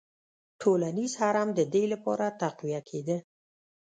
ټولنیز هرم د دې لپاره تقویه کېده.